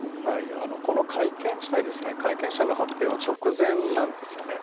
この会見自体ですね、会見者の発表は直前なんですよね。